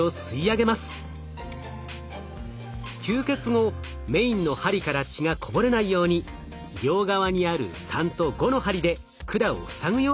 吸血後メインの針から血がこぼれないように両側にある３と５の針で管を塞ぐようにします。